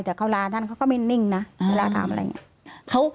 แต่เขาลาท่านเขาก็ไม่นิ่งนะเวลาถามอะไรอย่างนี้